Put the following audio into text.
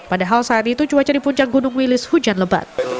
padahal saat itu cuaca di puncak gunung wilis hujan lebat